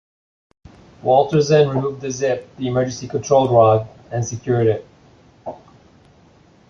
Walter Zinn removed the zip, the emergency control rod, and secured it.